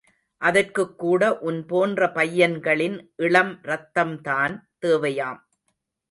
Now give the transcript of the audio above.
அதற்குக் கூட உன் போன்ற பையன்களின் இளம் ரத்தம்தான் தேவையாம்.